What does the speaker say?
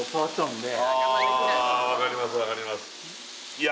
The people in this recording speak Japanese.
いや